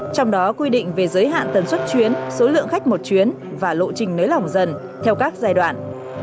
trong đó quy định về giới hạn tần suất chuyến số lượng khách một chuyến và lộ trình nới lỏng dần theo các giai đoạn